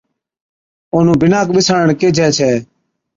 اونھُون بِناڪ ٻِساوڻ ڪيهجَي ڇَي